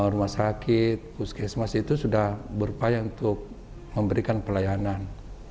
rumah sakit puskesmas itu sudah berupaya untuk memberikan pelayanan